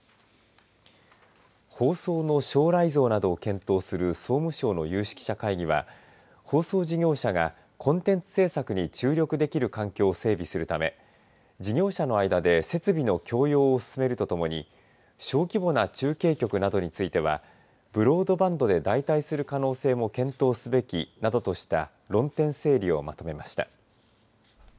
放送の将来像などを検討する総務省の有識者会議は放送事業者がコンテンツ制作に注力できる環境を整備するため事業者の間で設備の共用を進めるとともに小規模な中継局などについてはブロードバンドで代替する可能性も検討すべきなどとした論点整理をまとめました。